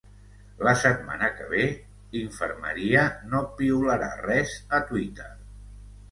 La setmana que ve, Infermeria no piularà res a Twitter.